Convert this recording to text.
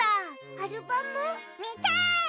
アルバム？みたい！